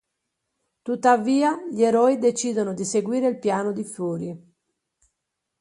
Tuttavia, gli eroi decidono di seguire il piano di Fury.